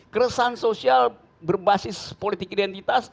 keresahan sosial berbasis politik identitas